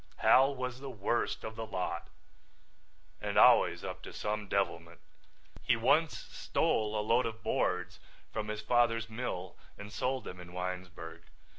Hal was the worst of the lot and always up to some devilment. He once stole a load of boards from his father's mill and sold them in Winesburg.